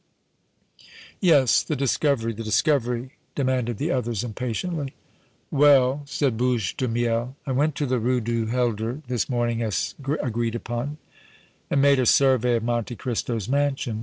"Yes; the discovery, the discovery!" demanded the others, impatiently. "Well," said Bouche de Miel, "I went to the Rue du Helder this morning, as agreed upon, and made a survey of Monte Cristo's mansion.